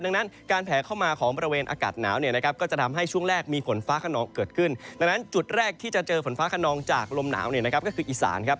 ดังนั้นการแผลเข้ามาของบริเวณอากาศหนาวเนี่ยนะครับก็จะทำให้ช่วงแรกมีฝนฟ้าขนองเกิดขึ้นดังนั้นจุดแรกที่จะเจอฝนฟ้าขนองจากลมหนาวเนี่ยนะครับก็คืออีสานครับ